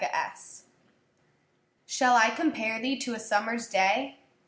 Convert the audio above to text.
XVIII Shall I compare thee to a summerâs day?